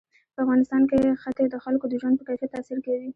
په افغانستان کې ښتې د خلکو د ژوند په کیفیت تاثیر کوي.